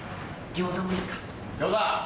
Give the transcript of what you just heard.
餃子！